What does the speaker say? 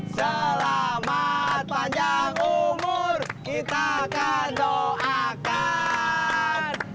selamat panjang umur kita akan doakan